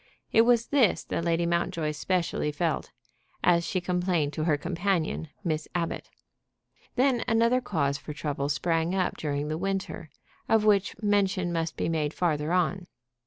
It was this that Lady Mountjoy specially felt, as she complained to her companion, Miss Abbott. Then another cause for trouble sprang up during the winter, of which mention must be made farther on.